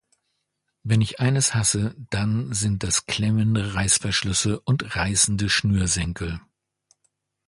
Wenn ich eines hasse, dann sind das klemmende Reißverschlüsse und reißende Schnürsenkel.